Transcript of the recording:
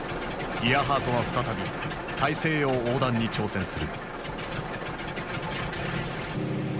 イアハートは再び大西洋横断に挑戦する。